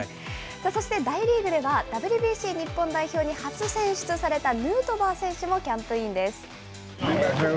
そして大リーグでは、ＷＢＣ日本代表に初選出されたヌートバー選手もキャンプインです。